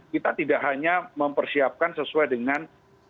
kita tidak hanya mempersiapkan sesuai dengan